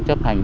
chấp hành tốt